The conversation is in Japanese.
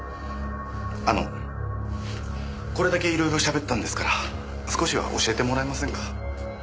あのこれだけ色々喋ったんですから少しは教えてもらえませんか？